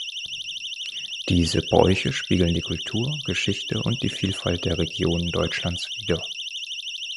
Diese Bräuche spiegeln die Kultur, Geschichte und die Vielfalt der Regionen Deutschlands wider.